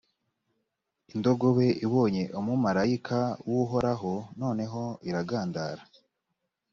indogobe ibonye umumalayika w’uhoraho, noneho iragandara.